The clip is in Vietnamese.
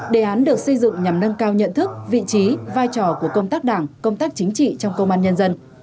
đề án được xây dựng nhằm nâng cao nhận thức vị trí vai trò của công tác đảng công tác chính trị trong công an nhân dân